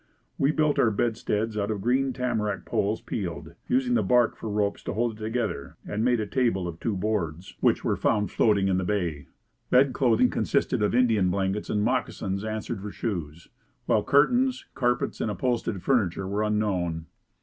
We built our bedsteads out of green tamarack poles peeled, using the bark for ropes to hold it together and made a table of two boards which were found floating in the Bay. Bed clothing consisted of Indian blankets and moccasins answered for shoes, while curtains, carpets and upholstered furniture were unknown."